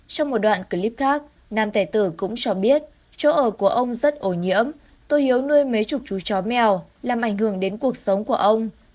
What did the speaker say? trong một đoạn clip khác nam tài tử cũng cho biết chỗ ở của ông rất ổ nhiễm tôi hiếu nuôi mấy chục chú chó mèo làm ảnh hưởng đến cuộc sống của ông